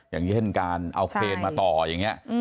อย่างเช่นการเอาเครนมาต่ออย่างนี้